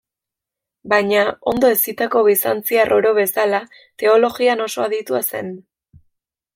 Baina, ondo hezitako bizantziar oro bezala, teologian oso aditua zen.